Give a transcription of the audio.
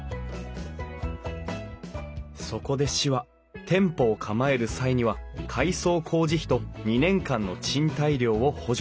そこで市は店舗を構える際には改装工事費と２年間の賃貸料を補助。